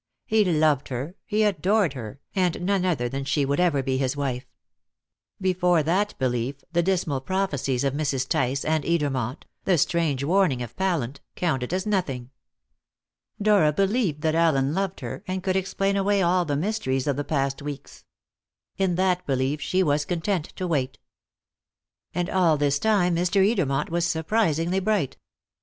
He loved her, he adored her, and none other than she would ever be his wife. Before that belief the dismal prophecies of Mrs. Tice and Edermont, the strange warning of Pallant, counted as nothing. Dora believed that Allen loved her, and could explain away all the mysteries of the past weeks. In that belief she was content to wait. And all this time Mr. Edermont was surprisingly bright.